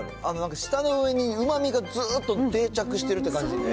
舌の上にうまみがずーっと定着してるって感じ。